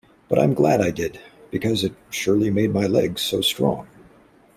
But I'm glad I did, because it surely made my legs so strong.